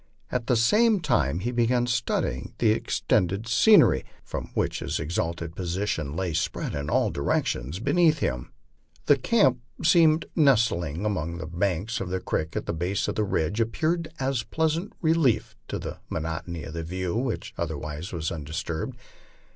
At the same time he began studying the extended scenery, which from his exalted position lay spread in all directions beneath ON THE PLAINS. 129 him. The canip, seen nestling along the banks of the creek at the base of the ridge, appeared as a pleasant relief to the monotony of the view, which other wise was undisturbed.